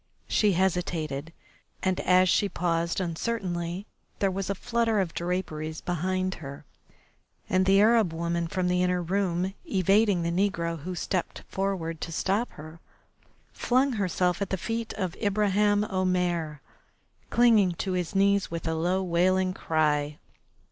She hesitated, and as she paused uncertainly, there was a flutter of draperies behind her, and the Arab woman from the inner room, evading the negro who stepped forward to stop her, flung herself at the feet of Ibraheim Omair, clinging to his knees with a low wailing cry.